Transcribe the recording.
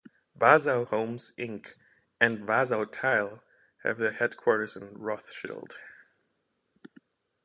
Wausau Homes Inc and Wausau Tile have their headquarters in Rothschild.